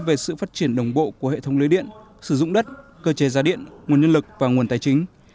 về sự phát triển đồng bộ của hệ thống lưới điện sử dụng đất cơ chế giá điện nguồn nhân lực và nguồn tài chính